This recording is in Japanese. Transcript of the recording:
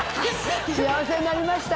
幸せになりました